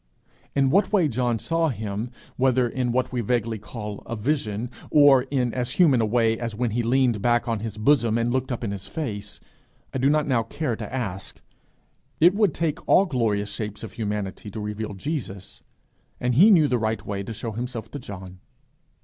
In what way John saw him, whether in what we vaguely call a vision, or in as human a way as when he leaned back on his bosom and looked up in his face, I do not now care to ask: it would take all glorious shapes of humanity to reveal Jesus, and he knew the right way to show himself to John.